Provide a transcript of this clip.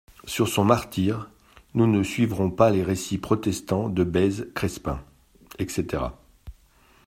Sur son martyre, nous ne suivrons pas les récits protestants de Bèze, Crespin, etc.